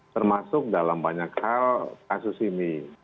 termasuk dalam banyak hal kasus ini